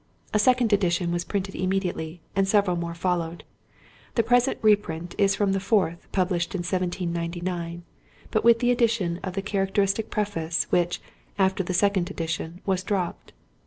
A second edition was printed immediately, and several more followed; the present reprint is taken from the fourth, published in 1799—but with the addition of the characteristic preface, which, after the second edition, was dropped.